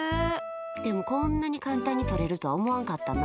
でもこんなに簡単に取れるとは思わんかったな。